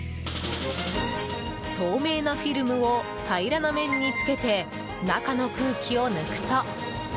透明なフィルムを平らな面に付けて中の空気を抜くと。